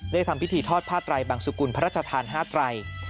ได้ทำพิธีทอดพระไตรบังสุกุลพระราชทานห้าไตร